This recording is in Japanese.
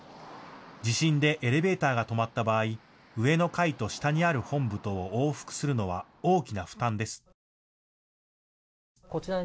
地震でエレベーターが止まった場合、上の階と下にある本部とを往復するのは大きな負担です。